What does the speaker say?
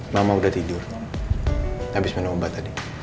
mama udah tidur habis minum obat tadi